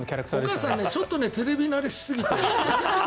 お母さん、ちょっとテレビ慣れしすぎてるね。